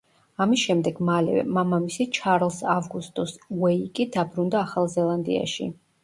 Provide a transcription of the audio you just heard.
ამის შემდეგ მალევე, მამამისი, ჩარლზ ავგუსტუს უეიკი, დაბრუნდა ახალ ზელანდიაში.